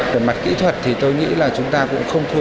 từ mặt kỹ thuật thì tôi nghĩ là chúng ta cũng không thua kém